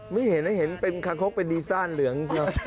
ไม่เห็นนะเห็นทางครบเป็นดีซานเหลือง